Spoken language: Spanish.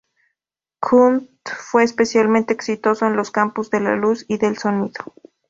Kundt fue especialmente exitoso en los campos de la luz y del sonido.